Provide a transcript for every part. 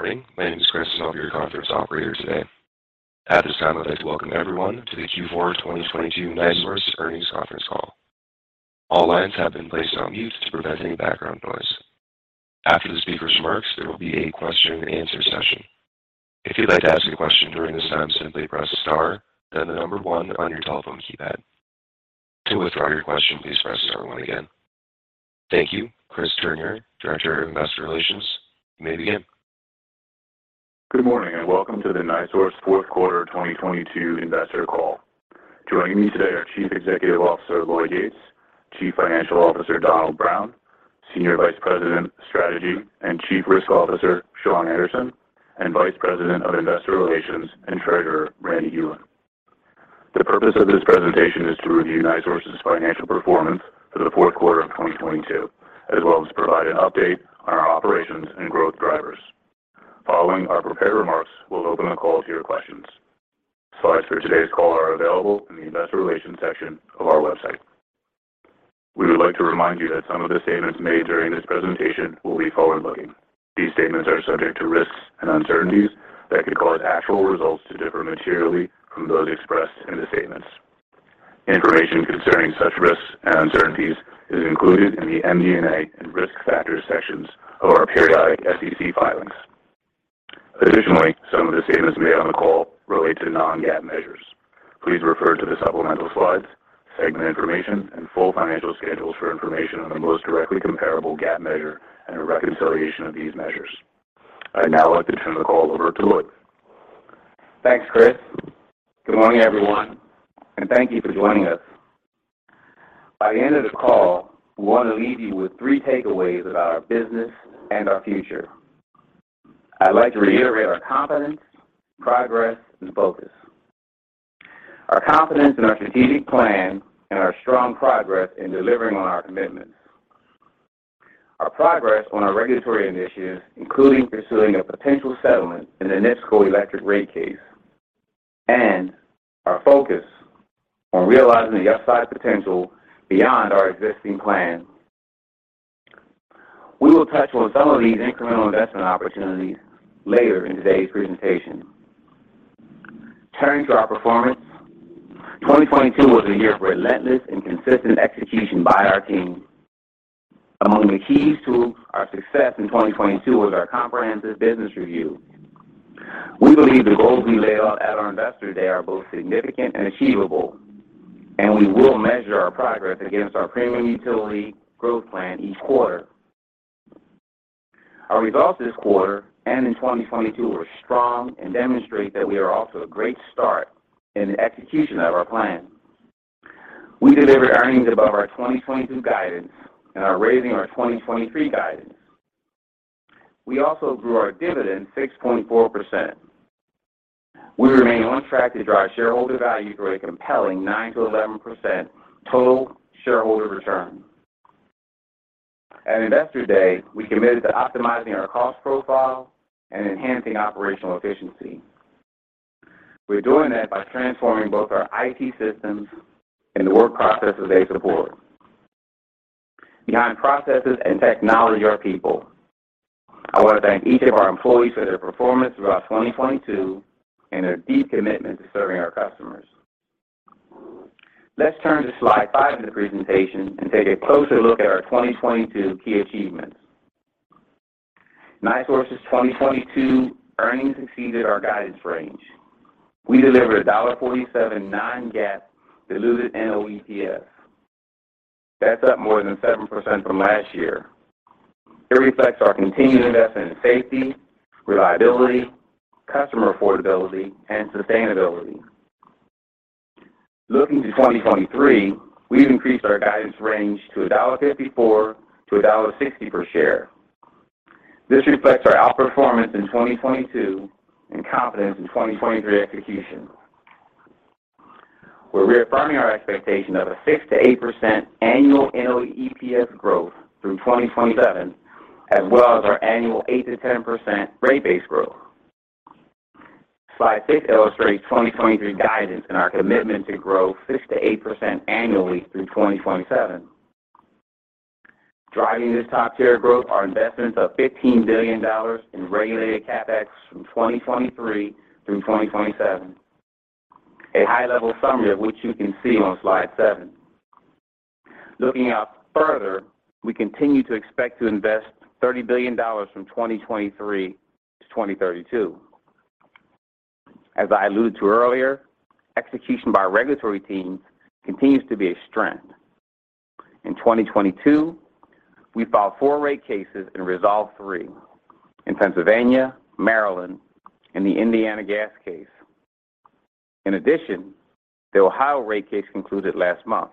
Good morning. My name is Chris, and I'll be your conference operator today. At this time, I'd like to welcome everyone to the Q4 2022 NiSource Earnings Conference Call. All lines have been placed on mute to prevent any background noise. After the speaker's remarks, there will be a question and answer session. If you'd like to ask a question during this time, simply press star then the number one on your telephone keypad. To withdraw your question, please press star one again. Thank you. Chris Turnure, Director of Investor Relations, you may begin. Good morning welcome to the NiSource fourth quarter 2022 Investor Call. Joining me today are Chief Executive Officer, Lloyd Yates; Chief Financial Officer, Donald Brown; Senior Vice President, Strategy, and Chief Risk Officer, Shawn Anderson; and Vice President of Investor Relations and Treasurer, Randy Hulen. The purpose of this presentation is to review NiSource's financial performance for the fourth quarter of 2022, as well as provide an update on our operations and growth drivers. Following our prepared remarks, we'll open the call to your questions. Slides for today's call are available in the investor relations section of our website. We would like to remind you that some of the statements made during this presentation will be forward-looking. These statements are subject to risks and uncertainties that could cause actual results to differ materially from those expressed in the statements. Information concerning such risks and uncertainties is included in the MD&A and risk factors sections of our periodic SEC filings. Additionally, some of the statements made on the call relate to non-GAAP measures. Please refer to the supplemental slides, segment information and full financial schedules for information on the most directly comparable GAAP measure and a reconciliation of these measures. I'd now like to turn the call over to Lloyd. Thanks, Chris. Good morning, everyone, and thank you for joining us. By the end of the call, we want to leave you with three takeaways about our business and our future. I'd like to reiterate our confidence, progress, and focus. Our confidence in our strategic plan and our strong progress in delivering on our commitments. Our progress on our regulatory initiatives, including pursuing a potential settlement in the NIPSCO electric rate case. Our focus on realizing the upside potential beyond our existing plan. We will touch on some of these incremental investment opportunities later in today's presentation. Turning to our performance, 2022 was a year of relentless and consistent execution by our team. Among the keys to our success in 2022 was our comprehensive business review. We believe the goals we laid out at our Investor Day are both significant and achievable. We will measure our progress against our premium utility growth plan each quarter. Our results this quarter and in 2022 were strong and demonstrate that we are off to a great start in the execution of our plan. We delivered earnings above our 2022 guidance and are raising our 2023 guidance. We also grew our dividend 6.4%. We remain on track to drive shareholder value through a compelling 9%-11% total shareholder return. At Investor Day, we committed to optimizing our cost profile and enhancing operational efficiency. We're doing that by transforming both our IT systems and the work processes they support. Behind processes and technology are people. I want to thank each of our employees for their performance throughout 2022 and their deep commitment to serving our customers. Let's turn to slide five of the presentation and take a closer look at our 2022 key achievements. NiSource's 2022 earnings exceeded our guidance range. We delivered a $1.47 non-GAAP diluted NOEPS. That's up more than 7% from last year. It reflects our continued investment in safety, reliability, customer affordability, and sustainability. Looking to 2023, we've increased our guidance range to a $1.54-$1.60 per share. This reflects our outperformance in 2022 and confidence in 2023 execution. We're reaffirming our expectation of a 6%-8% annual NOEPS growth through 2027, as well as our annual 8%-10% rate base growth. Slide six illustrates 2023 guidance and our commitment to grow 6%-8% annually through 2027. Driving this top-tier growth are investments of $15 billion in regulated CapEx from 2023 through 2027. A high-level summary of which you can see on slide seven. Looking out further, we continue to expect to invest $30 billion from 2023 to 2032. As I alluded to earlier, execution by our regulatory team continues to be a strength. In 2022, we filed four rate cases and resolved three in Pennsylvania, Maryland, and the Indiana gas case. In addition, the Ohio rate case concluded last month.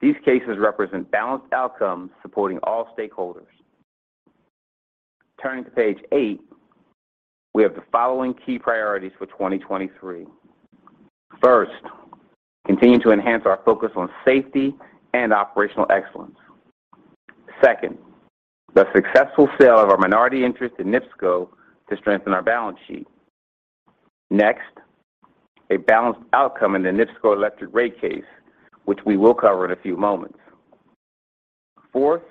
These cases represent balanced outcomes supporting all stakeholders. Turning to page eight, we have the following key priorities for 2023. First, continuing to enhance our focus on safety and operational excellence. Second, the successful sale of our minority interest in NIPSCO to strengthen our balance sheet. A balanced outcome in the NIPSCO electric rate case, which we will cover in a few moments. Fourth,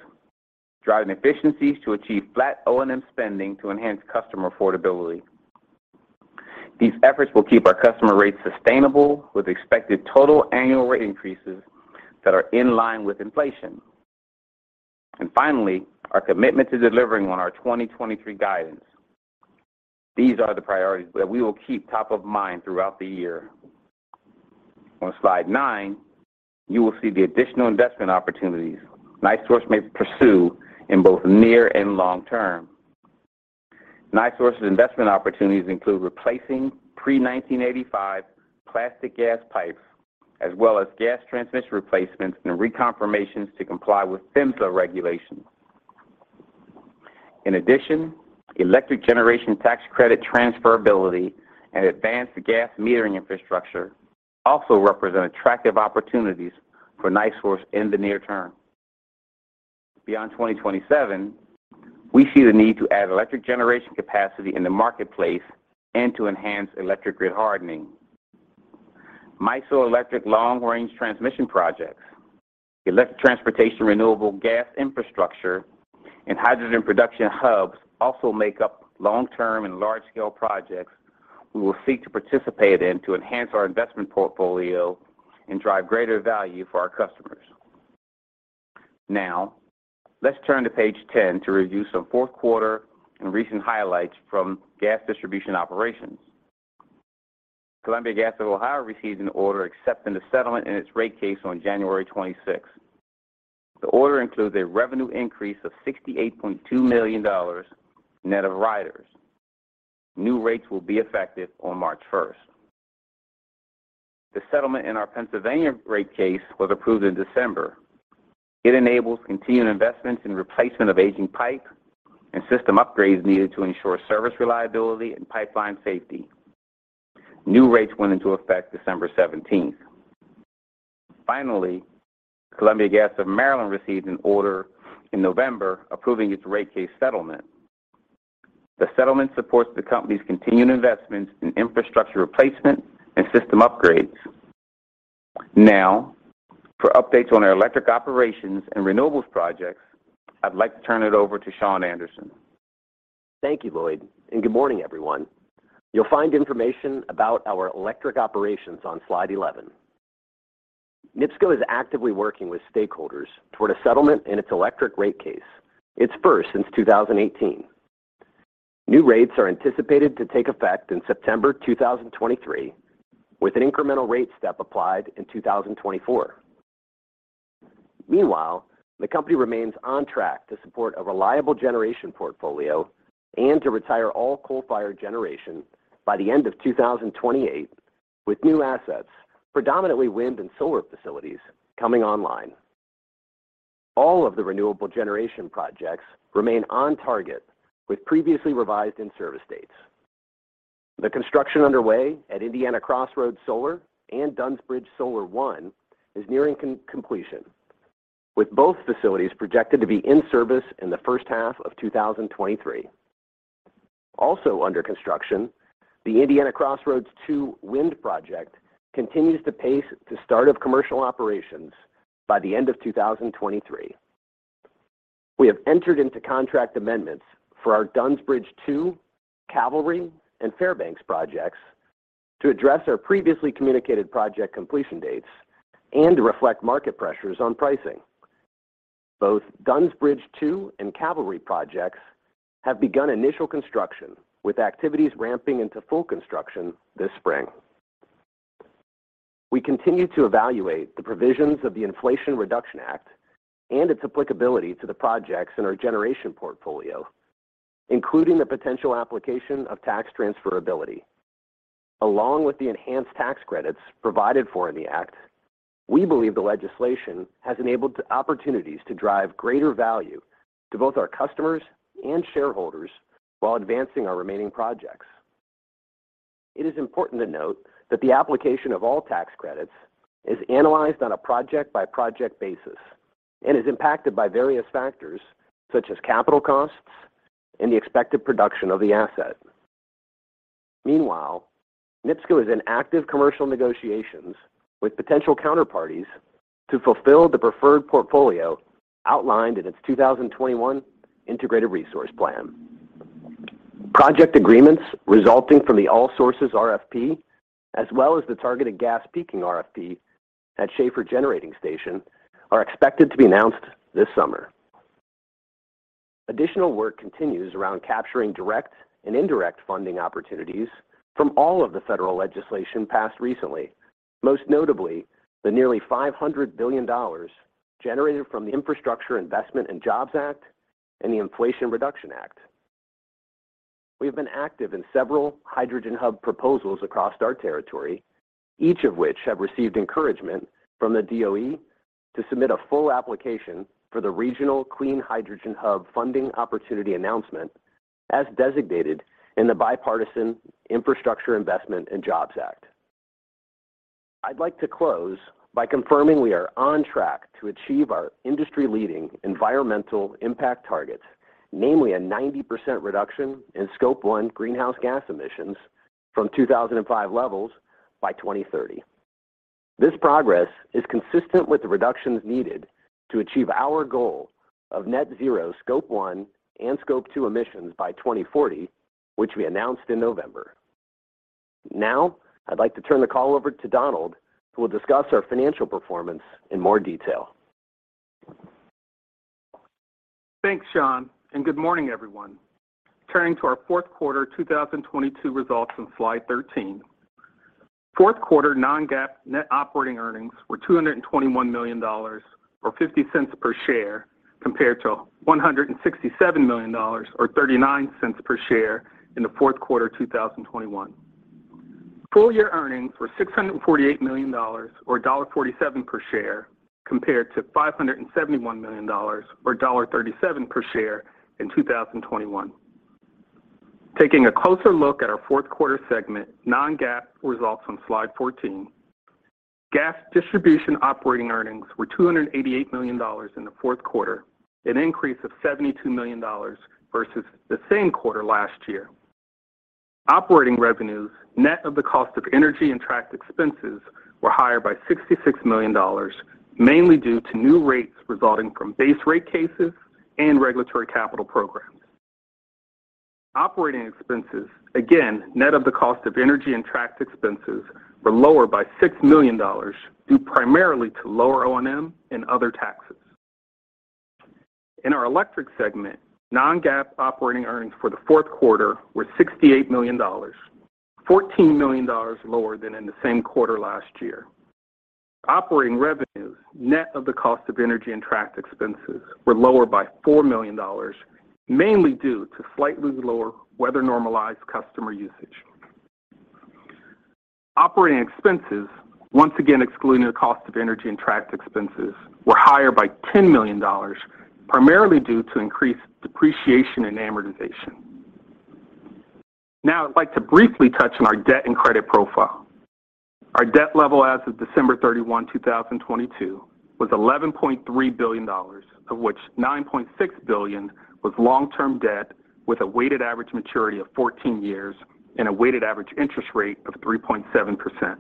driving efficiencies to achieve flat O&M spending to enhance customer affordability. These efforts will keep our customer rates sustainable with expected total annual rate increases that are in line with inflation. Finally, our commitment to delivering on our 2023 guidance. These are the priorities that we will keep top of mind throughout the year. On slide nine, you will see the additional investment opportunities NiSource may pursue in both near and long term. NiSource's investment opportunities include replacing pre-1985 plastic gas pipes as well as gas transmission replacements and reconfirmations to comply with PHMSA regulations. In addition, electric generation tax credit transferability and advanced gas metering infrastructure also represent attractive opportunities for NiSource in the near term. Beyond 2027, we see the need to add electric generation capacity in the marketplace and to enhance electric grid hardening. MISO electric long-range transmission projects, electric transportation renewable gas infrastructure, and hydrogen production hubs also make up long-term and large-scale projects we will seek to participate in to enhance our investment portfolio and drive greater value for our customers. Now, let's turn to page 10 to review some fourth quarter and recent highlights from gas distribution operations. Columbia Gas of Ohio received an order accepting the settlement in its rate case on January 26th. The order includes a revenue increase of $68.2 million net of riders. New rates will be effective on March 1st. The settlement in our Pennsylvania rate case was approved in December. It enables continued investments in replacement of aging pipe and system upgrades needed to ensure service reliability and pipeline safety. New rates went into effect December 17th. Finally, Columbia Gas of Maryland received an order in November approving its rate case settlement. The settlement supports the company's continued investments in infrastructure replacement and system upgrades. Now, for updates on our electric operations and renewables projects, I'd like to turn it over to Shawn Anderson. Thank you, Lloyd. Good morning, everyone. You'll find information about our electric operations on slide 11. NIPSCO is actively working with stakeholders toward a settlement in its electric rate case, its first since 2018. New rates are anticipated to take effect in September 2023, with an incremental rate step applied in 2024. The company remains on track to support a reliable generation portfolio and to retire all coal-fired generation by the end of 2028 with new assets, predominantly wind and solar facilities, coming online. All of the renewable generation projects remain on target with previously revised in-service dates. The construction underway at Indiana Crossroads Solar and Dunns Bridge Solar I is nearing completion, with both facilities projected to be in service in the first half of 2023. Under construction, the Indiana Crossroads II wind project continues to pace to start of commercial operations by the end of 2023. We have entered into contract amendments for our Dunns Bridge II, Cavalry, and Fairbanks projects to address our previously communicated project completion dates and to reflect market pressures on pricing. Both Dunns Bridge II and Cavalry projects have begun initial construction, with activities ramping into full construction this spring. We continue to evaluate the provisions of the Inflation Reduction Act and its applicability to the projects in our generation portfolio, including the potential application of tax transferability. Along with the enhanced tax credits provided for in the act, we believe the legislation has enabled opportunities to drive greater value to both our customers and shareholders while advancing our remaining projects. It is important to note that the application of all tax credits is analyzed on a project-by-project basis and is impacted by various factors such as capital costs and the expected production of the asset. Meanwhile, NIPSCO is in active commercial negotiations with potential counterparties to fulfill the preferred portfolio outlined in its 2021 Integrated Resource Plan. Project agreements resulting from the All-Sources RFP as well as the Targeted Gas Peaking RFP at R.M. Schahfer Generating Station are expected to be announced this summer. Additional work continues around capturing direct and indirect funding opportunities from all of the federal legislation passed recently, most notably the nearly $500 billion generated from the Infrastructure Investment and Jobs Act and the Inflation Reduction Act. We have been active in several hydrogen hub proposals across our territory, each of which have received encouragement from the DOE to submit a full application for the Regional Clean Hydrogen Hub Funding Opportunity Announcement as designated in the Bipartisan Infrastructure Investment and Jobs Act. I'd like to close by confirming we are on track to achieve our industry-leading environmental impact targets, namely a 90% reduction in Scope 1 greenhouse gas emissions from 2005 levels by 2030. This progress is consistent with the reductions needed to achieve our goal of net zero Scope 1 and Scope 2 emissions by 2040, which we announced in November. I'd like to turn the call over to Donald, who will discuss our financial performance in more detail. Thanks, Shawn, and good morning, everyone. Turning to our fourth quarter 2022 results on slide 13. Fourth quarter non-GAAP net operating earnings were $221 million, or $0.50 per share, compared to $167 million, or $0.39 per share in the fourth quarter 2021. Full-year earnings were $648 million, or $1.47 per share, compared to $571 million, or $1.37 per share in 2021. Taking a closer look at our fourth quarter segment non-GAAP results on slide 14. Gas distribution operating earnings were $288 million in the fourth quarter, an increase of $72 million versus the same quarter last year. Operating revenues, net of the cost of energy and tracked expenses, were higher by $66 million, mainly due to new rates resulting from base rate cases and regulatory capital programs. Operating expenses, again net of the cost of energy and tracked expenses, were lower by $6 million due primarily to lower O&M and other taxes. In our electric segment, non-GAAP operating earnings for the fourth quarter were $68 million, $14 million lower than in the same quarter last year. Operating revenues, net of the cost of energy and tracked expenses, were lower by $4 million, mainly due to slightly lower weather-normalized customer usage. Operating expenses, once again excluding the cost of energy and tracked expenses, were higher by $10 million, primarily due to increased depreciation and amortization. Now I'd like to briefly touch on our debt and credit profile. Our debt level as of December 31, 2022 was $11.3 billion, of which $9.6 billion was long-term debt with a weighted average maturity of 14 years and a weighted average interest rate of 3.7%.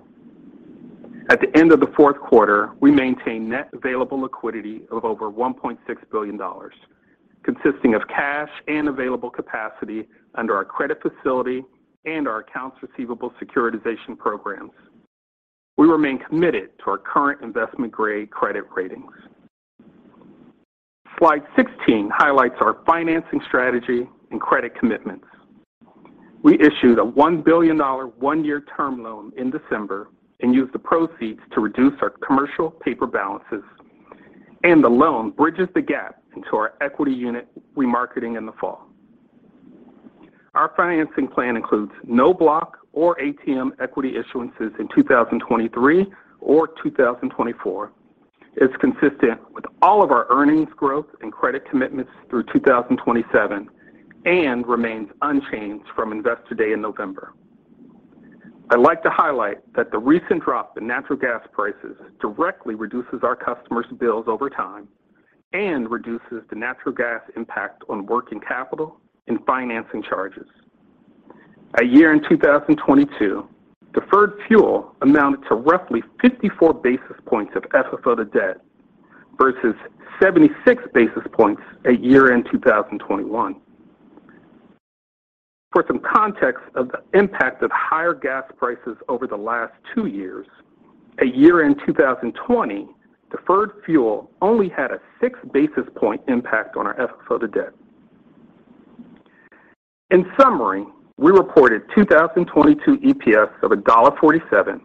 At the end of the fourth quarter, we maintained net available liquidity of over $1.6 billion, consisting of cash and available capacity under our credit facility and our accounts receivable securitization programs. We remain committed to our current investment-grade credit ratings. Slide 16 highlights our financing strategy and credit commitments. We issued a $1 billion one year term loan in December and used the proceeds to reduce our commercial paper balances. The loan bridges the gap into our equity unit remarketing in the fall. Our financing plan includes no block or ATM equity issuances in 2023 or 2024. It's consistent with all of our earnings growth and credit commitments through 2027 and remains unchanged from Investor Day in November. I'd like to highlight that the recent drop in natural gas prices directly reduces our customers' bills over time and reduces the natural gas impact on working capital and financing charges. At year-end 2022, deferred fuel amounted to roughly 54 basis points of FFO to debt versus 76 basis points at year-end 2021. For some context of the impact of higher gas prices over the last two years, at year-end 2020, deferred fuel only had a 6 basis point impact on our FFO to debt. In summary, we reported 2022 EPS of $1.47,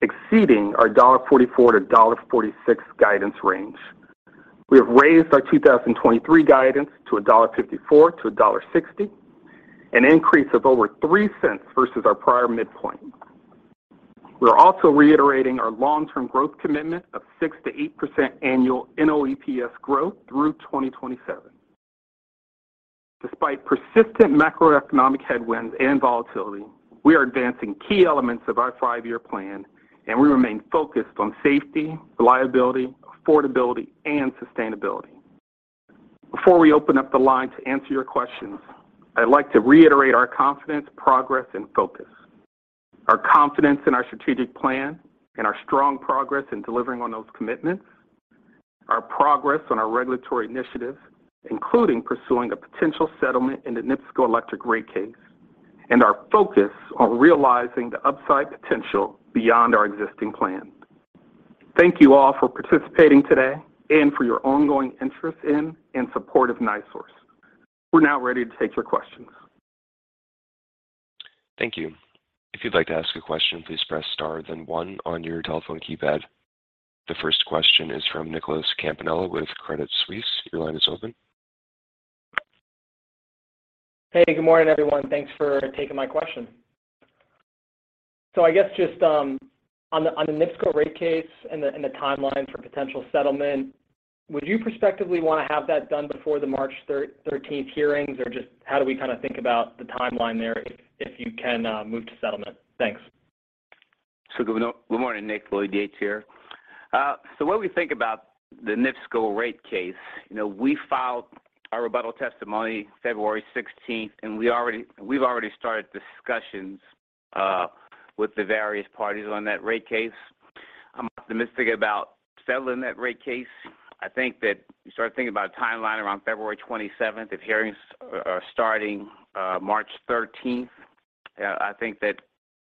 exceeding our $1.44-$1.46 guidance range. We have raised our 2023 guidance to $1.54 to $1.60, an increase of over $0.03 versus our prior midpoint. We are also reiterating our long-term growth commitment of 6%-8% annual NOEPS growth through 2027. Despite persistent macroeconomic headwinds and volatility, we are advancing key elements of our five-year plan, and we remain focused on safety, reliability, affordability, and sustainability. Before we open up the line to answer your questions, I'd like to reiterate our confidence, progress, and focus. Our confidence in our strategic plan and our strong progress in delivering on those commitments. Our progress on our regulatory initiatives, including pursuing a potential settlement in the NIPSCO electric rate case. Our focus on realizing the upside potential beyond our existing plan. Thank you all for participating today and for your ongoing interest in and support of NiSource. We're now ready to take your questions. Thank you. If you'd like to ask a question, please press star then one on your telephone keypad. The first question is from Nicholas Campanella with Credit Suisse. Your line is open. Hey, good morning, everyone. Thanks for taking my question. I guess just on the NIPSCO rate case and the timeline for potential settlement, would you prospectively want to have that done before the March thirteenth hearings? Or just how do we kind of think about the timeline there if you can move to settlement? Thanks. Good morning, Nick. Lloyd Yates here. What we think about the NIPSCO rate case, you know, we filed our rebuttal testimony February 16th, and we've already started discussions with the various parties on that rate case. I'm optimistic about settling that rate case. I think that you start thinking about a timeline around February 27th if hearings are starting March 13th. I think that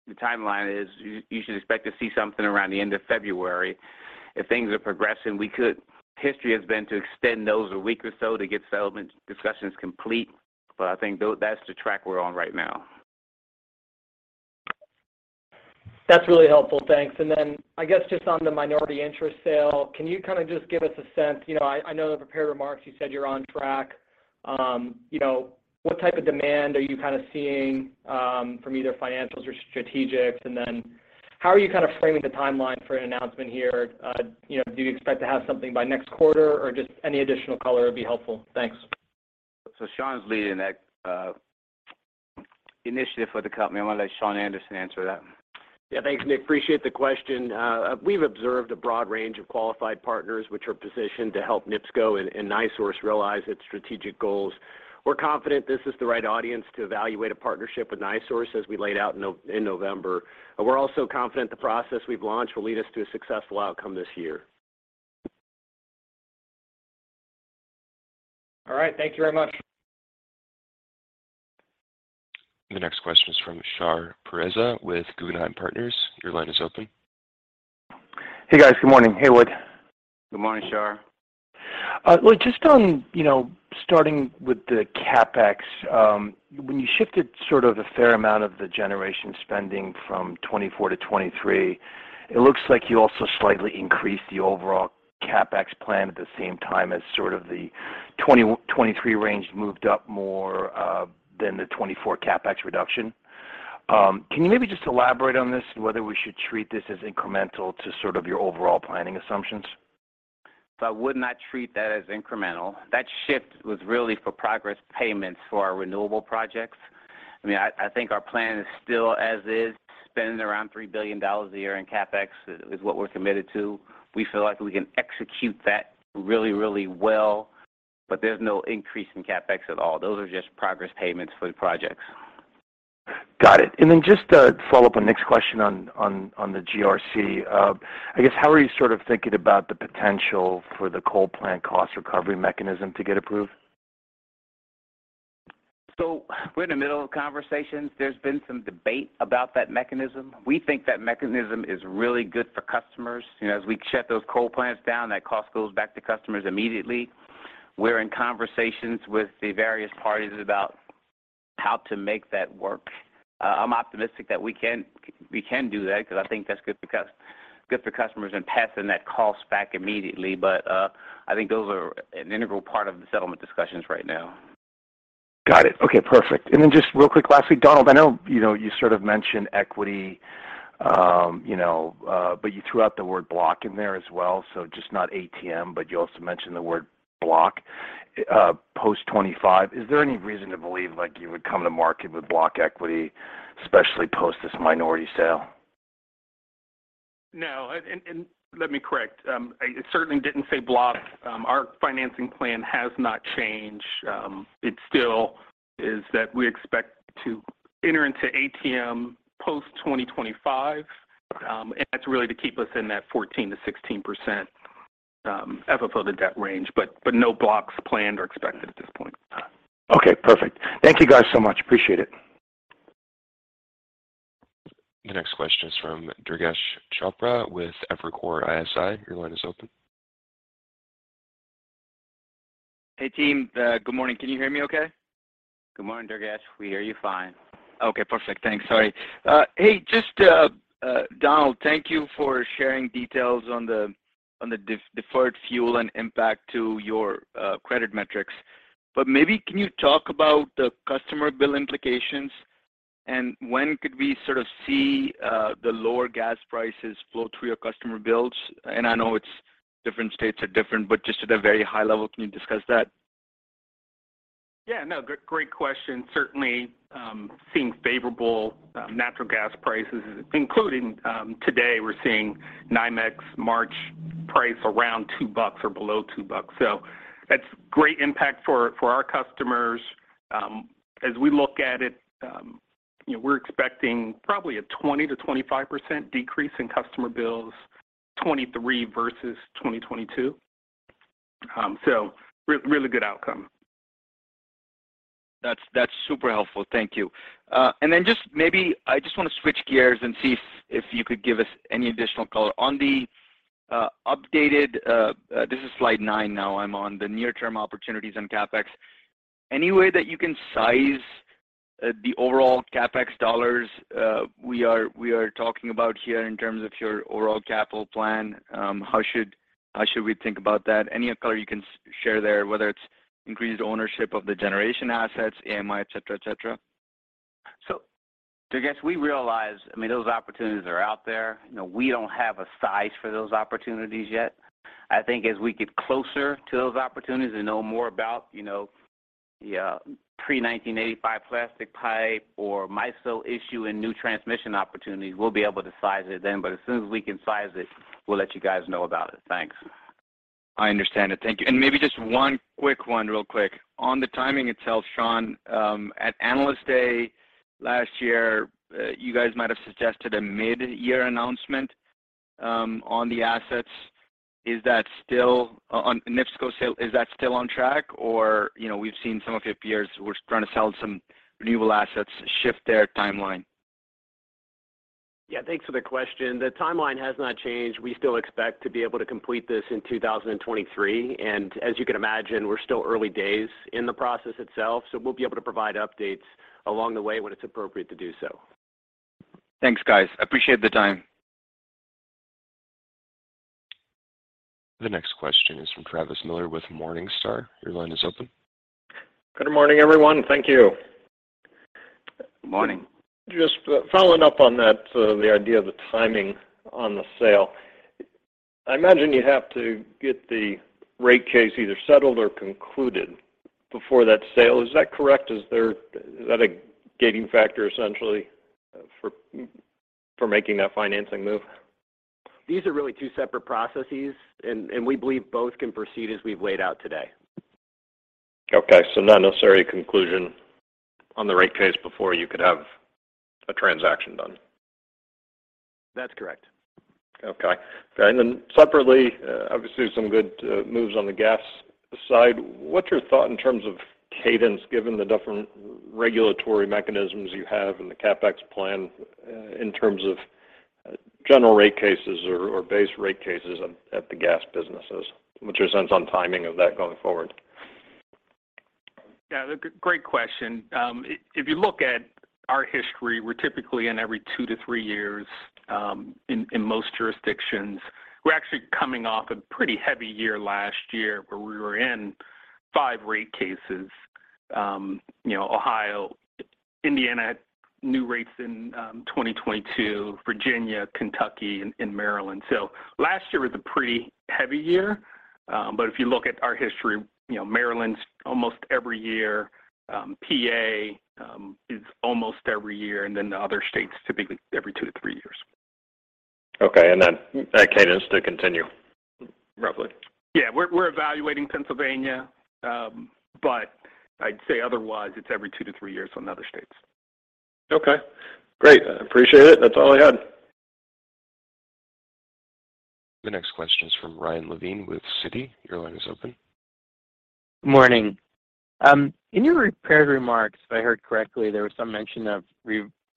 the timeline is you should expect to see something around the end of February. If things are progressing, History has been to extend those a 1 week or so to get settlement discussions complete, but I think that's the track we're on right now. That's really helpful. Thanks. I guess just on the minority interest sale, can you kind of just give us a sense? You know, I know the prepared remarks, you said you're on track. You know, what type of demand are you kind of seeing, from either financials or strategics? How are you kind of framing the timeline for an announcement here? You know, do you expect to have something by next quarter? Or just any additional color would be helpful. Thanks. Shawn's leading that initiative for the company. I want to let Shawn Anderson answer that. Yeah. Thanks, Nick. Appreciate the question. We've observed a broad range of qualified partners which are positioned to help NIPSCO and NiSource realize its strategic goals. We're confident this is the right audience to evaluate a partnership with NiSource as we laid out in November. We're also confident the process we've launched will lead us to a successful outcome this year. All right. Thank you very much. The next question is from Shahriar Pourreza with Guggenheim Partners. Your line is open. Hey, guys. Good morning. Hey, Lloyd. Good morning, Shar. Well, just on, you know, starting with the CapEx, when you shifted sort of a fair amount of the generation spending from 2024 to 2023, it looks like you also slightly increased the overall CapEx plan at the same time as sort of the 2023 range moved up more than the 2024 CapEx reduction. Can you maybe just elaborate on this and whether we should treat this as incremental to sort of your overall planning assumptions? I would not treat that as incremental. That shift was really for progress payments for our renewable projects. I think our plan is still as is, spending around $3 billion a year in CapEx is what we're committed to. We feel like we can execute that really, really well. There's no increase in CapEx at all. Those are just progress payments for the projects. Got it. Just to follow up on Nick's question on the GRC, I guess how are you sort of thinking about the potential for the coal plant cost recovery mechanism to get approved? We're in the middle of conversations. There's been some debate about that mechanism. We think that mechanism is really good for customers. You know, as we shut those coal plants down, that cost goes back to customers immediately. We're in conversations with the various parties about how to make that work. I'm optimistic that we can do that because I think that's good for customers in passing that cost back immediately. I think those are an integral part of the settlement discussions right now. Got it. Okay, perfect. Just real quick, lastly, Donald, I know, you know, you sort of mentioned equity, you know, but you threw out the word block in there as well. Just not ATM, but you also mentioned the word block, post 25. Is there any reason to believe, like, you would come to market with block equity, especially post this minority sale? No. Let me correct. I certainly didn't say block. Our financing plan has not changed. It still is that we expect to enter into ATM post 2025, that's really to keep us in that 14%-16% FFO to debt range. No blocks planned or expected at this point. Okay, perfect. Thank you guys so much. Appreciate it. The next question is from Durgesh Chopra with Evercore ISI. Your line is open. Hey, team. good morning. Can you hear me okay? Good morning, Durgesh. We hear you fine. Okay, perfect. Thanks. Sorry. Hey, just, Donald, thank you for sharing details on the deferred fuel and impact to your credit metrics. Maybe can you talk about the customer bill implications and when could we sort of see the lower gas prices flow through your customer bills? I know it's different states are different, but just at a very high level, can you discuss that? Yeah, no, great question. Certainly, seeing favorable natural gas prices, including today we're seeing NYMEX March price around $2 or below $2. That's great impact for our customers. As we look at it, you know, we're expecting probably a 20%-25% decrease in customer bills, 2023 versus 2022. Really good outcome. That's super helpful. Thank you. Then just maybe I just want to switch gears and see if you could give us any additional color on the updated, this is slide nine now I'm on, the near term opportunities on CapEx. Any way that you can size the overall CapEx dollars we are talking about here in terms of your overall capital plan? How should we think about that? Any color you can share there, whether it's increased ownership of the generation assets, AMI, et cetera, et cetera. Durgesh, we realize, I mean, those opportunities are out there. You know, we don't have a size for those opportunities yet. I think as we get closer to those opportunities and know more about, you know. Yeah. Pre-1985 plastic pipe or MISO issue and new transmission opportunities. We'll be able to size it then, but as soon as we can size it, we'll let you guys know about it. Thanks. I understand it. Thank you. Maybe just one quick one real quick. On the timing itself, Shawn, at Analyst Day last year, you guys might have suggested a mid-year announcement on the assets. Is that still on NIPSCO sale, is that still on track? Or, you know, we've seen some of your peers who are trying to sell some renewable assets shift their timeline. Yeah. Thanks for the question. The timeline has not changed. We still expect to be able to complete this in 2023. As you can imagine, we're still early days in the process itself, so we'll be able to provide updates along the way when it's appropriate to do so. Thanks, guys. Appreciate the time. The next question is from Travis Miller with Morningstar. Your line is open. Good morning, everyone. Thank you. Morning. Just following up on that, so the idea of the timing on the sale. I imagine you have to get the rate case either settled or concluded before that sale. Is that correct? Is that a gating factor essentially for making that financing move? These are really two separate processes, and we believe both can proceed as we've laid out today. Okay. Not necessarily a conclusion on the rate case before you could have a transaction done. That's correct. Okay. Separately, obviously some good moves on the gas side. What's your thought in terms of cadence, given the different regulatory mechanisms you have and the CapEx plan in terms of general rate cases or base rate cases at the gas businesses? What's your sense on timing of that going forward? Yeah. Great question. If you look at our history, we're typically in every two to three years in most jurisdictions. We're actually coming off a pretty heavy year last year, where we were in five rate cases. You know, Ohio, Indiana, new rates in 2022, Virginia, Kentucky, and Maryland. Last year was a pretty heavy year. If you look at our history, you know, Maryland's almost every year, PA is almost every year, the other states, typically every two to three years. Okay. That cadence to continue. Roughly. Yeah. We're evaluating Pennsylvania. I'd say otherwise, it's every two to three years on the other states. Okay, great. I appreciate it. That's all I had. The next question is from Ryan Levine with Citi. Your line is open. Morning. In your prepared remarks, if I heard correctly, there was some mention of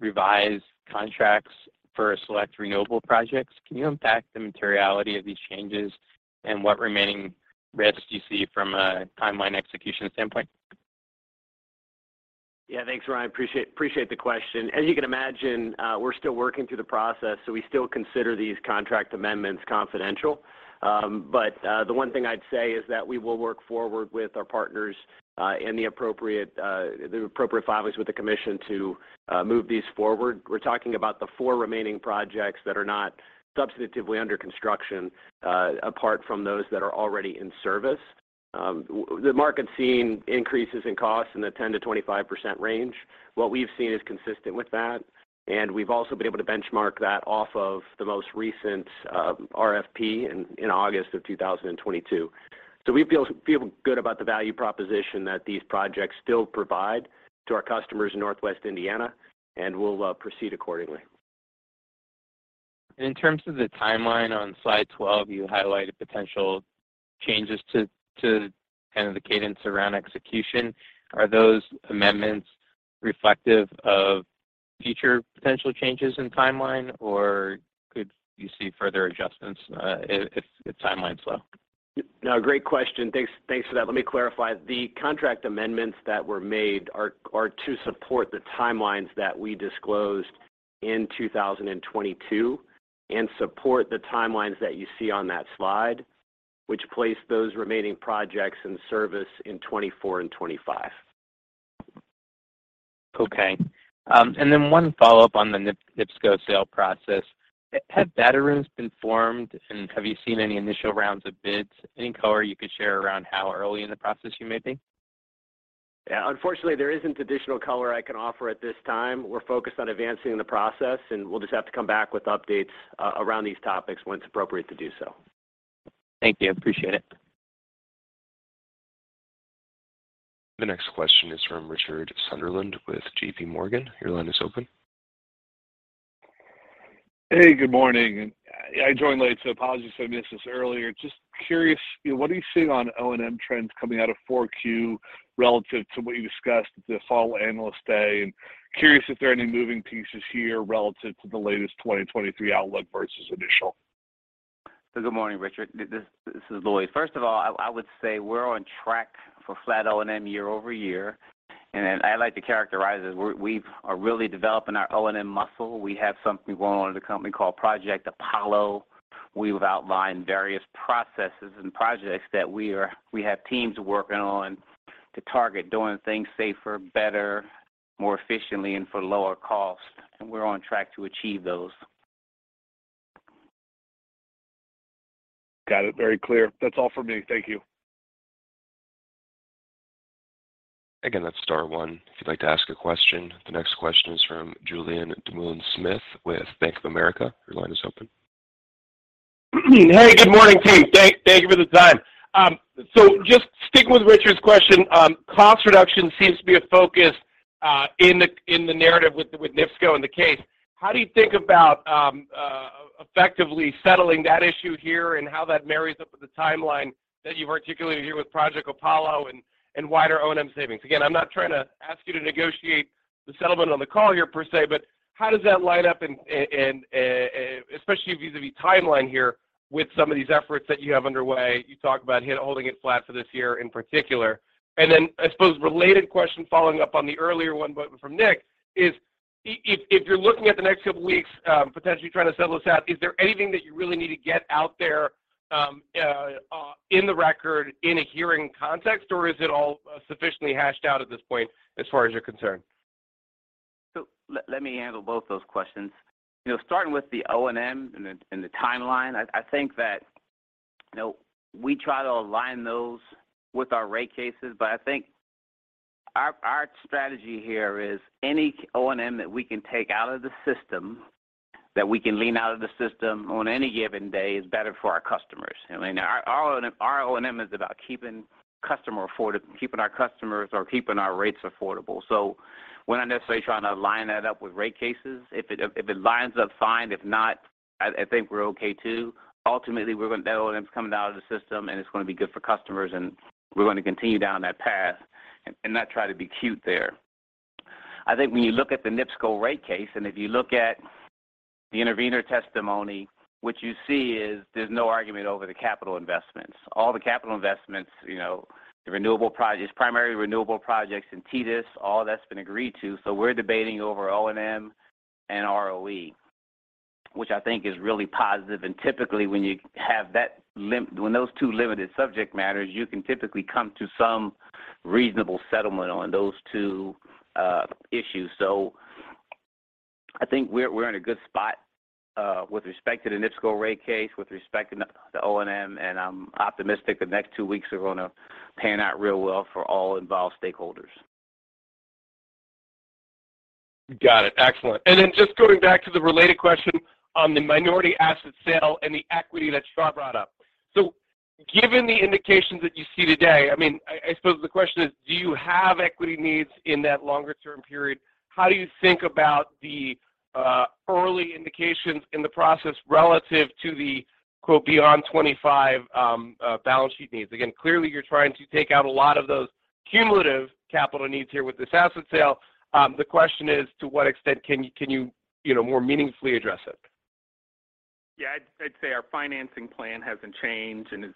revised contracts for select renewable projects. Can you unpack the materiality of these changes and what remaining risks you see from a timeline execution standpoint? Thanks, Ryan. Appreciate, appreciate the question. As you can imagine, we're still working through the process, so we still consider these contract amendments confidential. The one thing I'd say is that we will work forward with our partners in the appropriate, the appropriate filings with the commission to move these forward. We're talking about the four remaining projects that are not substantively under construction, apart from those that are already in service. The market's seen increases in costs in the 10%-25% range. What we've seen is consistent with that, and we've also been able to benchmark that off of the most recent RFP in August 2022. We feel good about the value proposition that these projects still provide to our customers in Northwest Indiana, and we'll proceed accordingly. In terms of the timeline on slide 12, you highlighted potential changes to kind of the cadence around execution. Are those amendments reflective of future potential changes in timeline, or could you see further adjustments, if timelines slow? No, great question. Thanks, thanks for that. Let me clarify. The contract amendments that were made are to support the timelines that we disclosed in 2022 and support the timelines that you see on that slide, which place those remaining projects in service in 2024 and 2025. Okay. One follow-up on the NIPSCO sale process. Have data rooms been formed, and have you seen any initial rounds of bids? Any color you could share around how early in the process you may be? Yeah. Unfortunately, there isn't additional color I can offer at this time. We're focused on advancing the process. We'll just have to come back with updates around these topics when it's appropriate to do so. Thank you. Appreciate it. The next question is from Richard Sunderland with JPMorgan. Your line is open. Hey, good morning. I joined late, so apologies if I missed this earlier. Just curious, what are you seeing on O&M trends coming out of 4Q relative to what you discussed this fall Analyst Day? Curious if there are any moving pieces here relative to the latest 2023 outlook versus initial. Good morning, Richard. This is Lloyd. First of all, I would say we're on track for flat O&M year-over-year. Then I like to characterize it. We are really developing our O&M muscle. We have something going on in the company called Project Apollo. We have outlined various processes and projects that we have teams working on to target doing things safer, better, more efficiently, and for lower cost, and we're on track to achieve those. Got it. Very clear. That's all for me. Thank you. That's star one if you'd like to ask a question. The next question is from Julien Dumoulin-Smith with Bank of America. Your line is open. Hey, good morning, team. Thank you for the time. So just sticking with Richard's question, cost reduction seems to be a focus in the narrative with NIPSCO and the case. How do you think about effectively settling that issue here and how that marries up with the timeline that you've articulated here with Project Apollo and wider O&M savings? Again, I'm not trying to ask you to negotiate the settlement on the call here per se, but how does that line up in, especially vis-a-vis timeline here with some of these efforts that you have underway. You talk about holding it flat for this year in particular. I suppose related question following up on the earlier one but from Nick is if you're looking at the next couple of weeks, potentially trying to settle this out, is there anything that you really need to get out there in the record in a hearing context, or is it all sufficiently hashed out at this point as far as you're concerned? Let me handle both those questions. You know, starting with the O&M and the timeline, I think that, you know, we try to align those with our rate cases. I think our strategy here is any O&M that we can take out of the system, that we can lean out of the system on any given day is better for our customers. I mean, our O&M is about keeping customer keeping our customers or keeping our rates affordable. We're not necessarily trying to align that up with rate cases. If it aligns up, fine. If not, I think we're okay too. Ultimately, that O&M is coming out of the system, and it's gonna be good for customers, and we're gonna continue down that path and not try to be cute there. I think when you look at the NIPSCO rate case, if you look at the intervener testimony, what you see is there's no argument over the capital investments. All the capital investments, you know, the renewable projects, primary renewable projects in TDSIC, all that's been agreed to. We're debating over O&M and ROE, which I think is really positive. Typically, when those 2 limited subject matters, you can typically come to some reasonable settlement on those 2 issues. I think we're in a good spot with respect to the NIPSCO rate case, with respect to the O&M, and I'm optimistic the next 2 weeks are gonna pan out real well for all involved stakeholders. Got it. Excellent. Just going back to the related question on the minority asset sale and the equity that Shawn brought up. Given the indications that you see today, I mean, I suppose the question is, do you have equity needs in that longer-term period? How do you think about the early indications in the process relative to the quote, "beyond 25," balance sheet needs? Again, clearly, you're trying to take out a lot of those cumulative capital needs here with this asset sale. The question is, to what extent can you know, more meaningfully address it? Yeah. I'd say our financing plan hasn't changed, and as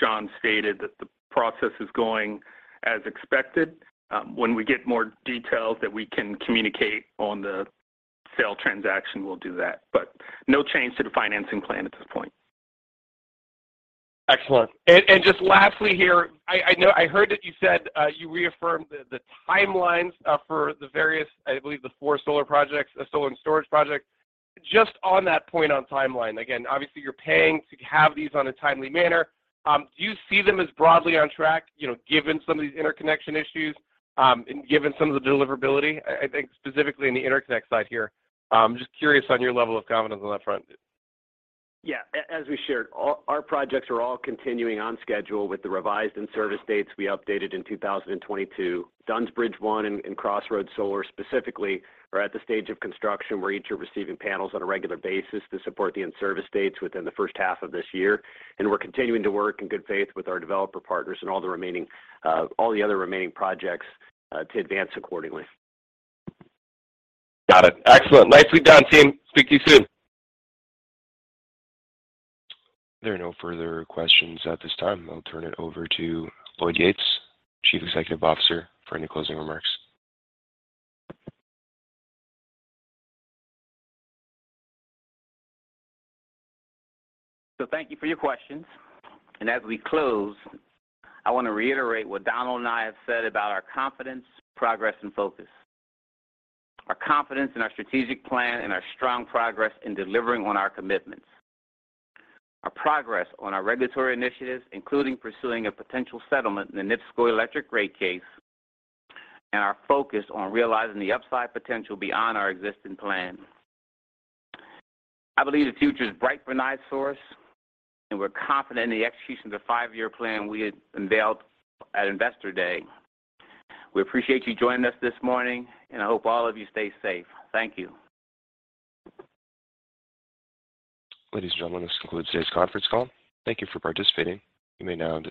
Shawn stated, that the process is going as expected. When we get more details that we can communicate on the sale transaction, we'll do that. No change to the financing plan at this point. Excellent. Just lastly here, I know I heard that you said, you reaffirmed the timelines, for the various, I believe the four solar projects, the solar and storage project. Just on that point on timeline, again, obviously you're paying to have these on a timely manner. Do you see them as broadly on track, you know, given some of these interconnection issues, and given some of the deliverability? I think specifically in the interconnect side here, just curious on your level of confidence on that front. As we shared, our projects are all continuing on schedule with the revised in-service dates we updated in 2022. Dunns Bridge I and Crossroads Solar specifically are at the stage of construction where each are receiving panels on a regular basis to support the in-service dates within the first half of this year. We're continuing to work in good faith with our developer partners and all the remaining, all the other remaining projects, to advance accordingly. Got it. Excellent. Nicely done, team. Speak to you soon. If there are no further questions at this time, I'll turn it over to Lloyd Yates, Chief Executive Officer, for any closing remarks. Thank you for your questions. As we close, I want to reiterate what Donald and I have said about our confidence, progress, and focus. Our confidence in our strategic plan and our strong progress in delivering on our commitments. Our progress on our regulatory initiatives, including pursuing a potential settlement in the NIPSCO Electric Rate case, and our focus on realizing the upside potential beyond our existing plan. I believe the future is bright for NiSource, and we're confident in the execution of the five-year plan we had unveiled at Investor Day. We appreciate you joining us this morning, and I hope all of you stay safe. Thank you. Ladies and gentlemen, this concludes today's conference call. Thank you for participating. You may now disconnect.